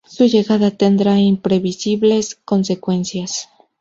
Su llegada tendrá imprevisibles consecuencias.